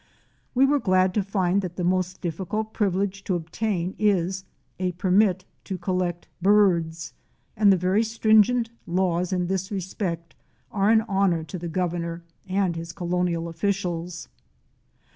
We were glad to find that the most difficult privilege to obtain is a permit to collect birds, and the very stringent laws in this respect are an honor to the Governor and his colonial officials.